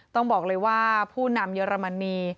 ต้องบอกเลยว่าผู้นำเยอรมนี